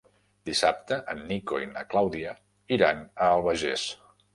Dissabte en Nico i na Clàudia iran a l'Albagés.